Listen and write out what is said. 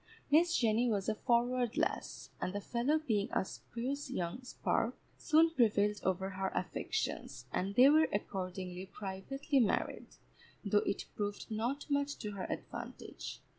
Miss Jenny was a forward lass, and the fellow being a spruce young spark, soon prevailed over her affections, and they were accordingly privately married, though it proved not much to her advantage.